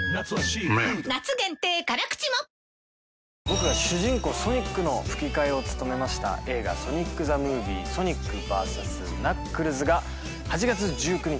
僕が主人公ソニックの吹き替えを務めました映画『ソニック・ザ・ムービー／ソニックＶＳナックルズ』が８月１９日